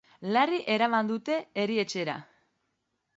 Larri eraman dute erietxera.